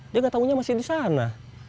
dia gak taunya masih disana